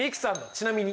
ちなみに。